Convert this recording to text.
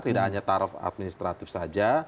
tidak hanya tarif administratif saja